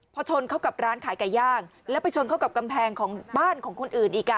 พอชนเข้ากับร้านขายไก่ย่างแล้วไปชนเข้ากับกำแพงของบ้านของคนอื่นอีก